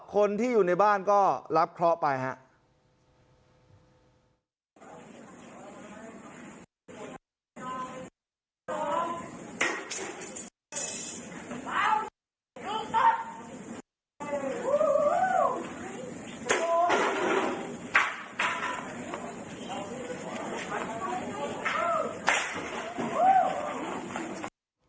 คนที่อยู่ในบ้านก็รับเคราะห์ไปครับ